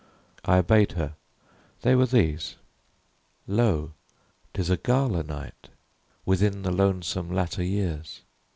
I obeyed her. They were these: Lo! 'tis a gala night Within the lonesome latter years!